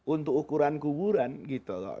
untuk ukuran kuburan gitu loh